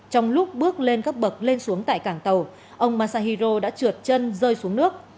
trong lúc bước lên các bậc lên xuống tại cảng tàu ông masahiro đã trượt chân rơi xuống nước